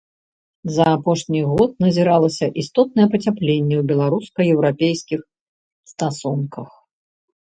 За апошні год назіралася істотнае пацяпленне ў беларуска-еўрапейскіх стасунках.